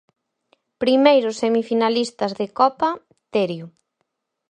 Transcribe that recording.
Primeiros semifinalistas de Copa, Terio.